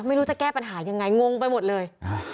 ไม่รู้จะแก้ปัญหายังไงงงไปหมดเลย